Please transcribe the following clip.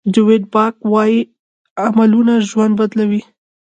ډویډ باک وایي عملونه ژوند بدلوي.